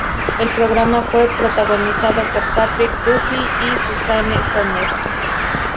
El programa fue protagonizado por Patrick Duffy y Suzanne Somers.